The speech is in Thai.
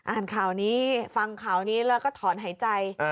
อ่านข่าวนี้ฟังข่าวนี้แล้วก็ถอนหายใจ